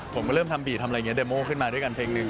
ผมก็เริ่มทำบีทำอะไรอย่างนี้เดโม่ขึ้นมาด้วยกันเพลงหนึ่ง